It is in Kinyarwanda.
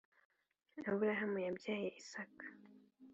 Aburahamu yabyaye Isaka